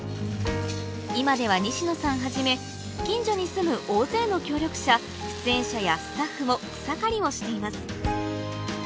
今では西野さんはじめ近所に住む大勢の協力者出演者やスタッフも草刈りをしています